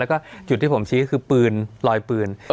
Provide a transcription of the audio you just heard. แล้วก็จุดที่ผมชี้คือปืนลอยปืน